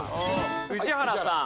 宇治原さん。